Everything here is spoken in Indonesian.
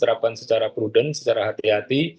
terapkan secara prudent secara hati hati